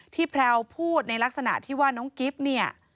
แพลวพูดในลักษณะที่ว่าน้องกิ๊บเนี่ย